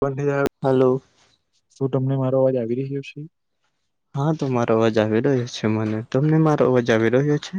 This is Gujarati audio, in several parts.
બંદી આ હાલો. શું તમને મારો અવાજ આવી રહ્યો છે. હા તો મારો અવાજ આવી રહ્યો છે મને તમને મારો અવાજ આવી રહ્યો છે.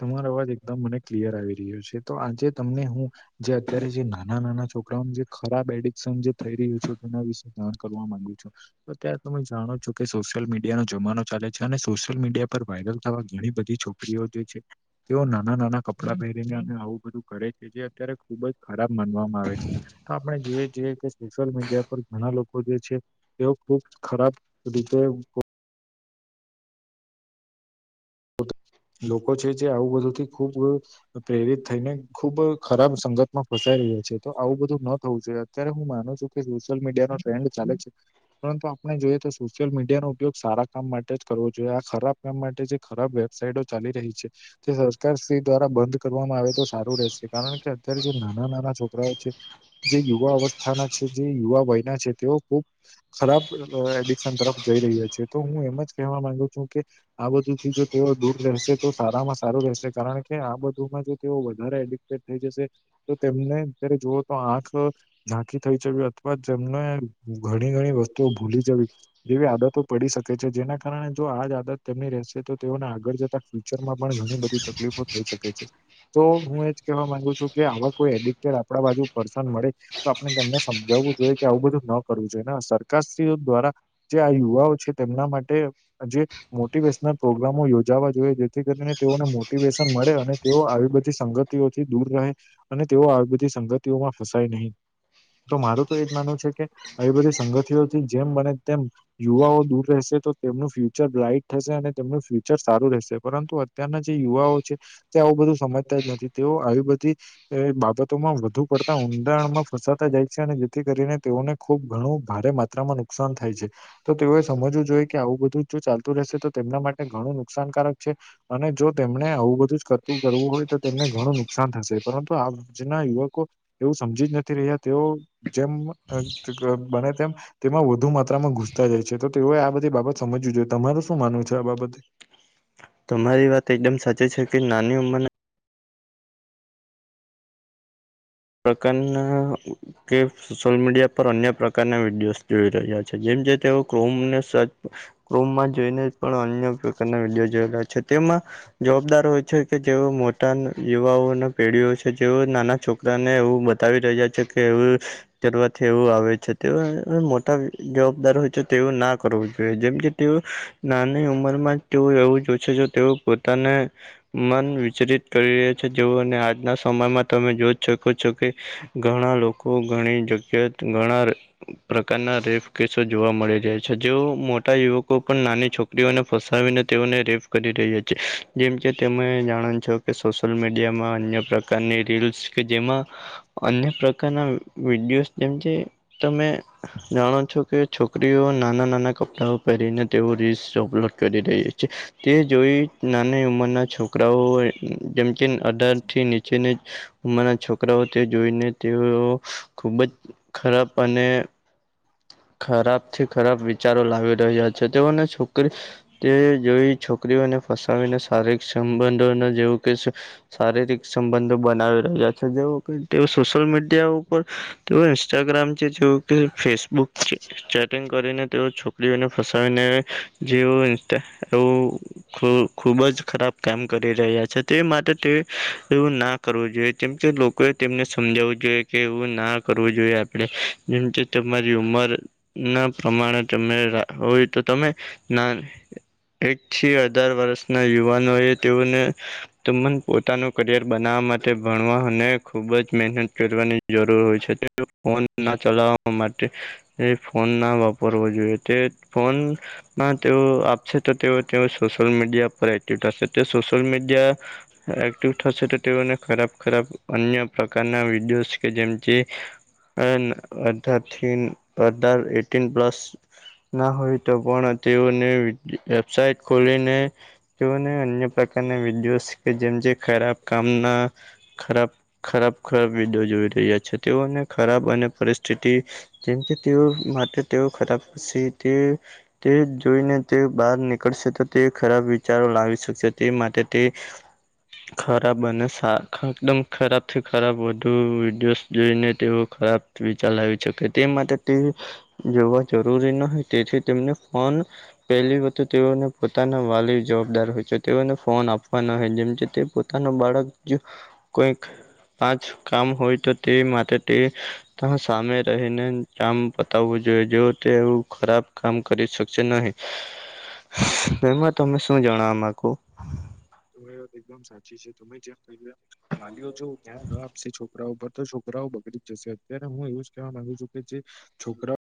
તમારો અવાજ એકદમ મને ક્લિયર આવી રહ્યો છે તો આજે તમને હું. જે અત્યારે જે નાના નાના છોકરાઓને જે ખરાબ એડિક્શન જે થઈ રહ્યું છે તેના વિશે જાણ કરવા માંગુ છું. તો ત્યારે તમે જાણો છો કે સોશિયલ મીડિયાનો જમાનો ચાલે છે અને સોશિયલ મીડિયા પર વાયરલ થવા ઘણી બધી છો ફ્રીઓ જોઈ છે. તેઓ નાના નાના કપડાં પહેરીને અને આવું બધું કરે છે જે અત્યારે ખુબ જ ખરાબ માનવામાં આવે છે. આપણે જોઈએ છીએ કે સોશિયલ મીડિયા પર ઘણા લોકો જે છે. તેઓ ખુબ ખરાબ રીતે લોકો છે જે આવું બધુંથી ખુબ. પ્રેરિત થઈને ખુબ ખરાબ સંગત માં ફસાઈ રહ્યો છે. તો આવું બધું ન થવું જોઈએ અત્યારે હું માનું છું કે સોશિયલ મીડિયા નો ટ્રેન્ડ ચાલે છે. પરંતુ આપણે જોઈએ તો સોશિયલ મીડિયાનો ઉપયોગ સારા કામ માટે જ કરવો જોઈએ આ ખરાબ કામ માટે જે ખરાબ. સાઈડો ચાલી રહી છે. તે સરકાર શ્રી દ્વારા બંધ કરવામાં આવે તો સારું રહેશે કારણ કે અત્યારે જે નાના નાના છોકરાઓ છે. જે યુવા અવસ્થાના છે જે યુવા વયના છે તેઓ ખુબ. ખરાબ એડિકશન તરફ જઈ રહ્યા છે તો હું એમ જ કહેવા માંગુ છું કે આ બધુથી જો. તેઓ દૂર રહેશે તો સારામાં સારું રહેશે કારણ કે આ બધુમાં જો તેઓ વધારે એડિક્ટેડ થઈ જશે. તો તેમને અત્યારે જુઓ તો આંખ. નાકી થઈ જવી અથવા જેમને ઘણી ઘણી વસ્તુઓ ભૂલી જવી. એવી આદતો પડી શકે છે જેના કારણે જો આજ આદત તેમની રહેશે તો. તેઓને આગળ જતા ફ્યુચર માં પણ ઘણી બધી તકલીફો થઈ શકે છે. તો હું એજ કેહેવા માંગુ છું કે આવા કોઈ એડિક્ટેડ આપડા બાજુ પર્સન મળે. તો આપણે તેમને સમજાવવું જોઈએ કે આવું બધું ન કરવું જોઈએ ને સરકારશ્રી દ્વારા. જે આ યુવાઓ છે તેમના માટે જે મોટિવેશનલ. પ્રોગ્રામો યોજાવા જોઈએ જેથી કરીને તેઓને મોટિવેશન મળે અને તેઓ આવી બધી સંગતિઓથી દૂર રહે અને તેઓ આવી બધી સંગતિઓમાં ફસાય નહીં તો મારું તો એજ માનવું છે કે. આવી બધી સંગતિઓથી જેમ બને તેમ. યુવાઓ દૂર રહેશે તો તેમનું ફ્યુચર બ્રાાઈટ થશે અને. તેમનું ફ્યુચર સારું રહેશે પરંતુ અત્યારના જે યુવાઓ છે. ત્યા આવું બધું સમજતા જ નથી તેઓ આવી બધી. એ બાબતોમાં વધુ પડતા ઊંડાણમાં ફસાતા જાય છે અને જેથી કરીને તેઓને. ખુબ ઘણું ભારે માત્રામાં નુકસાન થાય છે તો તેઓએ સમજવું જોઈએ કે આવું બધું જ જો ચાલતું રહેશે તો. તેમના માટે ઘણું નુકસાનકારક છે. અને જો તેમને આવું બધું જ કરતું કરવું હોય તો તેમને ઘણું નુકસાન થશે પરંતુ આ. આજના યુવકો એવું સમજી જ નથી રહ્યા તેઓ જેમ અજગર બને તેમ. તેમાં વધુ માત્રામાં ઘુસતા જાય છે તો તેઓએ આ બધી બાબત સમજવી જોઈએ તમાર શું માનવું છે આ બાબતે. તમારી વાત એકદમ સાચી છે કે નાની ઉંમરના. પકારના ઉપર. કે સોશિયલ મીડિયા પર અન્ય પ્રકારના વિડીયો જોઈ રહ્યા છે જેમ જે તે [unintelligible] રૂમમાં જોઈને પણ અન્ય પ્રકારના વિડીયો જોયેલા છે તેમાં જવાબદાર હોય છે. તે તેવો ઓ મોટાન યુવાઓ અને પેઢીઓ છે જે નાના છોક તનેએવું બતાવી રહ્યા છે કે એવું કરવાથી એવું આવે છે તે [unintelligible] [inaudible] હોય છે તેવું ના કરવું જોઈએ જેમ કે તું નાની ઉંમરમાં જ તેઓ એવું જોશે જો તેઓ પોતાને મન. વિચરિત કરી રહ્યા છે જેઓને આજના સમયમાં તમે જોઈ શકો છો કે. ઘણા લોકો ઘણી જગ્યા ઘણા પ્રકારના રેફ કેસજ. જોવા મળી રહ્યા છે જેઓ મોટા યુવકો પણ નાની છોક સ્ત્રીઓને ફસાવીને તેઓને રેપ કરી રહ્યા છે જેમ કે તેમ કે જાણ છો. કે સોશિયલ મીડિયામાં અન્ય પ્રકારની રીલ્સ. કે જેમાં અન્ય પ્રકારના વિડીયો તેમ જે તમે જાણો છો, કે છોકરીઓ નાના નાના કપડાઓ કરીને તે રીલ્સ અપલોડ કરી રહી છે તે જોઈ નાની ઉંમરના છો કરાઓ જેમકે અઢાર થી નીચેની ઉમર છો કરાઓ તે જોઈને તેઓ ખૂબ જ ખરાબ અને, ખરાબ થી ખરાબ વિચારો લાવી રહ્યા. છે, તેઓને છોકરી તે જોઈ છોકરીઓને ફસાવીને શારીરિક સંબંધોને જેવું શારીરિક સંબંધો બનાવે. છે જેવો કે તેઓ સોશિયલ મીડિયા ઉપર તેઓ ઇન્સ્ટાગ્રામ છે જેવું કે ફેસબુક છે. ચેટિંગ કરીને તેઓ છોકરીઓને ફસાવીને જેઓ એ ઈન્સ્ટા એવુ ખુબ જ ખરાબ કામ કરી રહ્યા છે, તે માટે તે એવું ના કરવું જોઈએ જેમ કે લોકોએ તેમને, સમજાવું જોઈએ કે એવું ના કરવું જોઈએ આપડે જેમ કે તમારી ઉમર. ના પ્રમાણે તમે હોય તો, તમે ના એક થી અઢાર વર્ષના યુવાનોએ તેઓને તો, મને પોતાનું કરિયર બનાવવા માટે ભણવા અને ખૂબ જ મહેનત કરવાની જરૂર હોય છે, તે ફોન ના ચલાવવા માટે એ, ફોન ના વાપરવો જોઈએ તે ફોન ના તેઓ આપશે તો તેઓ, તેઓ સોશિયલ મીડિયા પર એક્ટિવ થશે તે સોશિયલ મીડિયા એક્ટિવ થશે તો તેઓને ખરાબ ખરાબ અન્ય પ્રકારના વિડીયોસ કે જેમ થી. અન, અધાથિન અઢાર એટીન પ્લસ ના હોય તો, પણ તેઓને વેબસાઇટ ખોલીને જોઓને અન્ય પ્રકારના વિડીયોસ કે, જેમ જે ખરાબ કામના ખરાબ ખરાબ ખરાબ વિડયો જોઈ રહ્યા છે, તેઓને ખરાબ અને પરિસ્થિતિ જેમ કે તેઓ માટે, તેઓ ખરાબ સી તે તે જોઈને તે બહાર નીકળશે તો, તે ખરાબ વિચારો લાવી શકશે તે માટે તે ખરાબ અને, સા એકદમ ખરાબથી ખરાબ વધુ વિડીયોસ જોઈને તેઓ, ખરાબ વિચાર લાવી શકે તે માટે તે જોવા જરૂરી નહિ, તેથી તેમને ફોન પહેલી વાત તો તેઓને પોતાના વાલી જવાબદાર હોય છે, તેઓને ફોન આપવાના હોય જેમ જે તે પોત તાનુ બાળક જો કોઈક, પાંચ કામ હોય તો તે માટે તે તમે સામે રહીને કામ પતાવવું જોઈએ જેઓ તે એવું ખરાબ કામ કરી શકશે નહી. તેમાં શું, જણાવા માંગો તમારી વાત એકદમ સાચી છે તમે જેમ કહ્યું એમ વાલીઓ જો ધ્યાન ન આપશે છો કરા ઉપર તો છોકરાઓ બગડી જ જશે તેને હું, એવું જ કેહવા માંગુ છું કે જે છોકરાઓ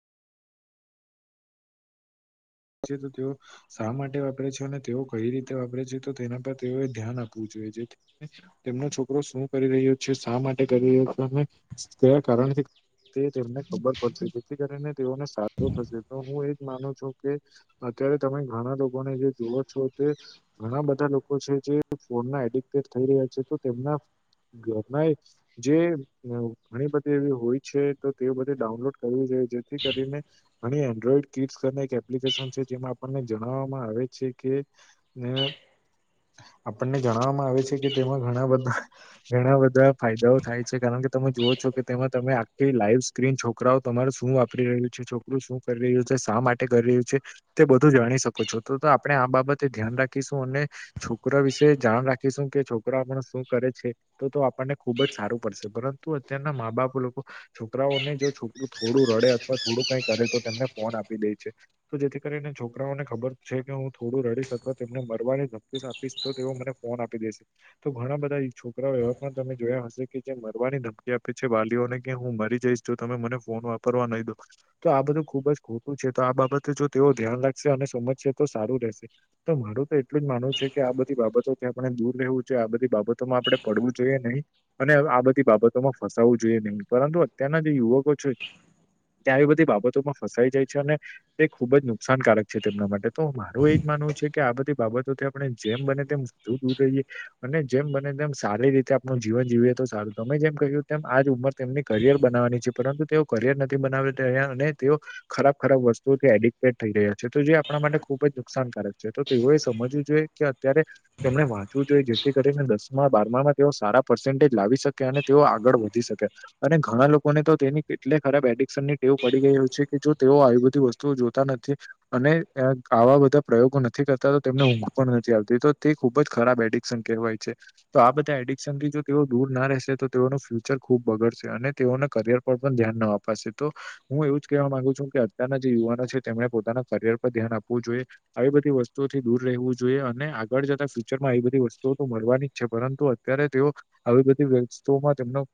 જે તો તેઓ શા માટે વાપરે છે અને તેઓ કઈ રીતે વાપરે છે, તો તેના પર તેઓએ ધ્યાન આપવું જોઈએ જે તેમનો છોકરો શું કરી રહ્યો છે, શા માટે કરી રહ્યો છે, અને કયા કારણથી તે, તેમને ખબર પડશે જેથી કરીને તેઓને સાધો થશે તો હું એજ માનું છું. કે અત્યારે તમે ઘણા લોકોને જે જોઓ છો, તે ઘણા બધા લોકો છે. જે ફોનના એડિક્ટડ થઈ રહ્યા છે, તો તેમના ભાઈ જે ઘણી બધી એવી હોય છે, તો તે બધે ડાઉનલોડ કરવું જોઈએ જેથી કરીને અને એન્ડ્રોઈડ કિટસને છે. જે આપને જણાવવામાં આવે છે, કે આપણને જણાવામાં આવે છે, કે તેમાં ઘણા બધા ઘણા બધા ફાયદાઓ થાય છે કારણ કે તમે જુઓ છો કે તેમાં તમે આખી લાઈફ ક્રીન છોકરાઓ તમાર શું વાપરી રહ્યું છે, છોકરું શું કરી રહ્યું છે, શા માટે કરી રહ્યું છે, બધું જાણી શકો છો તો આપણે આ બાબતે ધ્યાન રાખીશું અને છોકરા વિશેે જાણ રાખીશું કે છોકરા આપણ શું કરે છે, તો તો આપણને ખુબ જ સારું પડશે પરંતુ અત્યારના મા બાપ લોકો છોકરાઓને જો છોકરું થોડું રડે અથવા થોડું કઈ કરે તો તેમને ફોન આપી દે છે. તો જેથી કરીને છોકરાઓને ખબર છે કે હું થોડું રડીશ અથવા તેમને મરવાની [unintelligible] આપીશ તો તે એવું મને ફોન આપી દેશે. તો ઘણા બધા છોકરાઓ એવા પણ તમે જોયા હશે કે જે મરવાની ધમકી આપે છે વાલીઓને કે હું મરી જઈશ જો તમે મને ફોન વાપરવા નહી દો તો આ બધું ખુબ જ ખોટું છે તો આ બાબત જો તેઓ ધ્યાન રાખશે અને સમજશે તો સારું રહેશે. તો મારું તો એટલું જ માનવું છે કે આ બધી બાબતોથી આપણે દૂર રહેવું જોઈએ આ બધી બાબતોમાં આપડે પડવું જોઈએ નહી. અને આ બધી બાબતોમાં ફસાવવું જોઈએ નહી પરંતુ અત્યારના જે યુવકો છે. ત્યાં આવી બધી બાબતોમાં ફસાઈ જાય છે અને તે ખુબ જ નુકસાનકારક છે તેમના માટે તો મારું એજ માનવું છે કે આ બધી બાબતોથી આપણે જેમ બને તેમ [unintelligible] અને જેમ બને તેમ સારી રીતે આપણું જીવન જીવીએ તો સારું તમે જેમ કહ્યું તેમ આજ ઉંમર તેમની કરિયર બનાવાની છે પરંતુ તેઓ કરિયર નથી બનાવને તેઓ ખરાબ ખરાબ વસ્તુ એડિક્ટેડ થઈ રહ્યા છે, તો જે આપણા માટે ખૂબ જ નુકસાનકારક છે તો તેઓએ સમજવું જોઈએ કે અત્યારે તેમણે વાંચવું તો એ જેથી કરીને દસમા બારમામાં તેઓ સારા પર્સેન્ટેજ લાવી શકે અને તેઓ આગળ વધી શકે. અને ઘણા લોકોને તો તેની કેટલે ખરાબ એડ એડિક્ટેડની ટેવું પડી ગય છે કે જો તેઓ આવી બધી વસ્તુઓ જોતા નથી અને આવા બધા પ્રયોગો નથી કરતા તો તેમને ઊંઘ પણ નથી આવતી તો તે ખુબ જ ખરાબ એડિકશન કહેવાય છે. તો આ બધા એડિક્શનથી જો તેઓ દૂર ના રહેશે તો તેઓનું ફ્યુચર ખુબ બગડશે અને તેઓના કરિયર પણ ધ્યાન ન અપાશે તો હું એવું જ કહેવા માંગુ છું કે અત્યારના યુવાના છે. તેમણે પોતાના કરિયર પર ધ્યાન આપવું જોઈએ. આવી બધી વસ્તુઓથી દૂર રહેવું જોઈએ અને આગળ જતા ફ્યુચરમાં આવી બધી વસ્તુઓ તો મળવાની જ છે પરંતુ ત્યારે તેઓ આવી બધી વસ્તુઓમાં તેમનો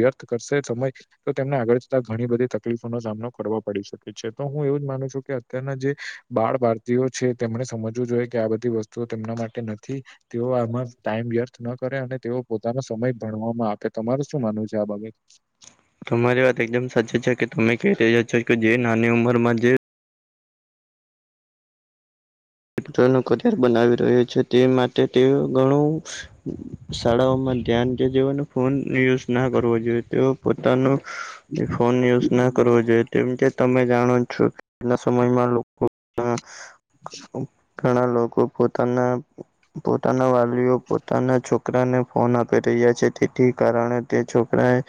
વ્યર્થ કરશે સમય તો તેમને આગળ જતા ઘણી બધી તકલીફોનો સામનો કરવો પડી શકે છે, તો હું એવું જ માનું છું કે અત્યારના જે બાળ ભારતીયો છે તેમને સમજવું જોઈએ કે આ બધી વસ્તુઓ તેમના માટે નથી. તેઓ આમાં ટાઈમ વ્યસ્થ ન કરે અને તેઓ પોતાનો સમય ભણવામાં આપે, તમારે શું માનવું છે આ બાબત? તમારી વાત એકદમ સાચી છે કે તમે કય રહિયા છો કે જે નાની ઉંમરમાં જે [unintelligible] બનાવી રહ્યો છે તે માટે તે ઘણું શાળાઓમાં ધ્યાન કે જેવને ફોન યુઝ ના કરવો જોઈએ તો પોતાનું ફોન યુઝ ના હમ, કરવો જોઈએ તેમ કે તમે જાણો છો આજના સમયમાં લોકો ઘણા લોકો પોતાના પોતાના વાલીઓ પોતાના છોકરાને ફોન આપી રહ્યા છે, તેથી કારણે તે છોકરાએ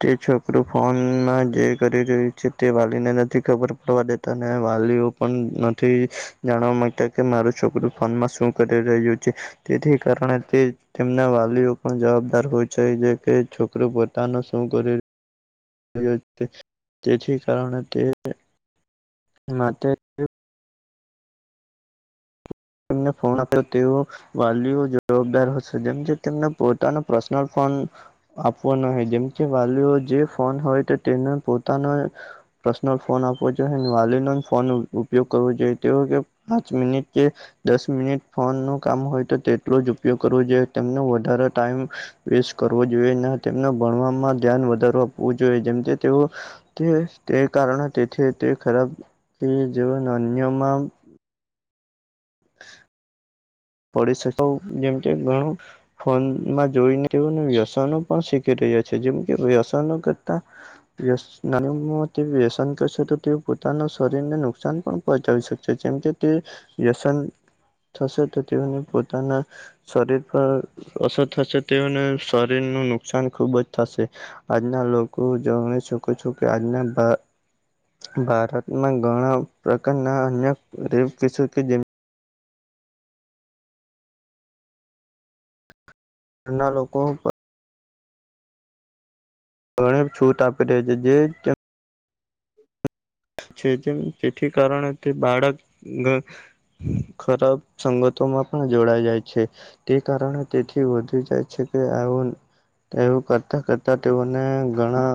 તે છોકરું ફોનમાં જે કરી રહ્યું છે તે વાલીને નથી ખબર પડવા દેતા અને વાલીઓ પણ નથી, જાણવા માંગતા કે મારું છોકરું ફોનમાં શું કરી રહ્યું છે તેથી કારણે તે તેમના વાલીઓ પણ જવાબદાર હોય છે જે કે છોકરો પોતાનું શું કરે તેથી કારણે તે માટે એમને ફોન આપ્યો તેઓ વાલીઓ જવાબદાર હશે જેમ તેમને પોતાના પર્સનલ ફોન આપવા ન હો જેમ કે વાલીઓ જે ફોન હોય તો તેને પોતાનો પર્સનલ ફોન આપો વાલીનો ફોન ઉપયોગ કરવો જોઈએ તે કે પાંચ મિનિટ જે દસ મિનિટ ફોન ન કામ હોય તો તેટલો જ ઉપયોગ કરવો જોઈએ તેમનો વધારે ટાઈમ વેસ્ટ કરવો જોઈએ ન તેમ ભણમાં ધ્યાન વધાર આપવું જોઈએ જેમ તેઓ તે તે કારણે તે તે ખરાબ જે અન્યમાં [inaudible] પડી શ જેમ કે ઘણું ફોનમાં જોઈને તેઓને વ્યસનો પણ શીખી રહ્યા છે જેમ કે વ્યસનો કરતા વ્ય નાનીમાં વ્યસન કરશે તો તે પોતાના શરીર ને નુકસાન પણ પહોચાવી શકશે જેમ કે તે વ્યસન થશે તો તેઓને પોતાના શરીર પર અસર થશે તેઓને શરીરનું નુકસાન ખૂબ જ થશે આજના લોકો જાણી શકો છો કે આજના ભારતમાં ઘણા પ્રકારના અન્ય રપસો કે જે ઘણા લોકો ઘણી છૂટ આપી રહ્યા છે જે [inaudible] છે જે તેથી કારણે તે બાળક ખરાબ સંગતોમાં પણ જોડાઈ જાય છે તે કારણે તેથી વધી જાય છે કે આવું એવું કરતા કરતા તેઓને ઘણા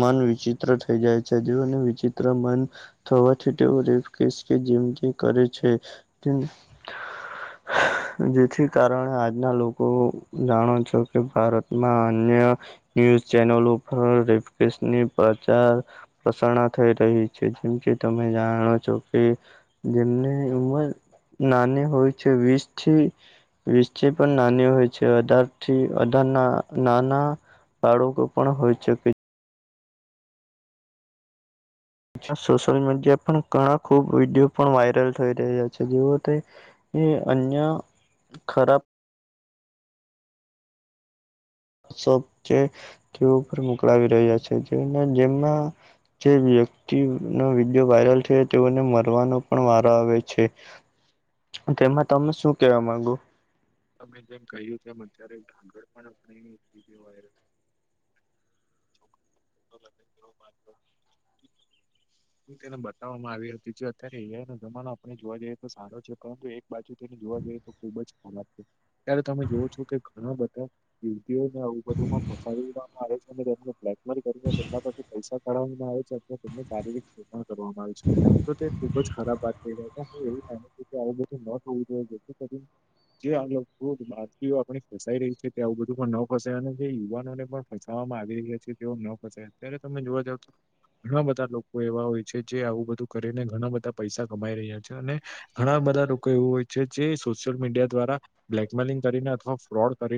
મન વિચિત્ર થઈ જાય છે જે અને વિચિત્ર [unintelligible] થવાથી તેઓ રેકેસ કે જંદગી કરે છે જેથી કારણે આજના લોકો જાણો છે તો કે ભારતમાં અન્ય ન્યૂઝ ચેનલો પર રેફિકેશની પ્રસારણા થઈ કહી છે જેમ કે તમે જાણો છો કે જેમની ઉમર નાની હોય છે વીસ થી વિસ થી પણ નાની હોય છે અઠાર થી અઠારના નાના [unintelligible] પણ હોય છેકે સોશિયલ મીડિયા પણ ઘણા ખુબ વિડીયો પણ વાયરલ થઈ રહ્યા છે જેવ તે એ અન્ય ખરાબ સોપ છે તેઓ પર મોકલાવી રહ્યા છે જે જેમાં જે વ્યક્તિ ન વિડીયો વાયરલ થયો તેઓને મરવાનો પણ વારો આવે છે તેમાં તમે શું કેવા માંગુ તમે જેમ કહ્યું તેમ અત્યારે [unintelligible] છોકરો લગે તેઓ હ તેને બતાવવામાં આવી હતી જે અત્યારે એ જમાનો આપણે જોવા જઈએ તો સારો છે પરંતુ એક બાજુ તેને જોવા જઈએ તો ખુબ જ ખરાબ છે ત્યારે તમે જોવ છો કે ઘણા બધા યુવતીઓને આવું બધુંમાં ફસડવામાં આવે છે તેમને બ્લેકમેલ કરીને તેમના પ પૈસા પવામાં આવે છે [unintelligible] કરવામાં આવે છે તો તે ખુબ જ ખરાબ વાત [unintelligible] [unintelligible] જે આ બાારતી આપણી ફસાઈ રહી છે ત આવું બધું પણ ન ફસાય અને જે યુવાનોને પણ ફસાાવવામાં આવી રહ્યા છે તેવ ન ફસાય અત્યારે તમે જોવા જાવ છો. ઘણા બધા લોકો એવા હોય છે જે આવું બધું કરીને ઘણા બધા પૈસા કમાઈ રહ્યા છે અને. ઘણા બધા લોકો એવું હોય છે જે સોશિયલ મીડિયા દ્વારા બ્લેકમેલિંગ કરીને અથવા ફ્રોડ કરીને.